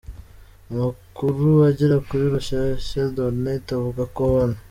Amakuru agera kuri Rushyashya.net avuga ko Hon.